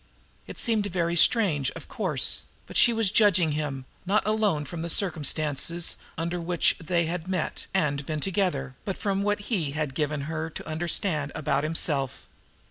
It seemed very strange, of course; but she was judging him, not alone from the circumstances under which they had met and been together, but from what he had given her to understand about himself.